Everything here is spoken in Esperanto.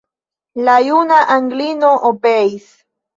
La juna Anglino obeis.